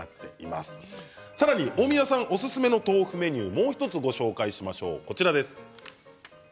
さらに大宮さんおすすめの豆腐メニューをもう１つご紹介しましょう、こちらです。